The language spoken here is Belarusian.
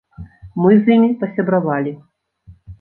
Мы з імі пасябравалі.